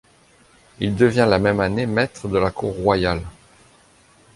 Il devient la même année Maître de la Cour Royale.